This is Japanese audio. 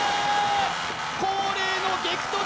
恒例の激突！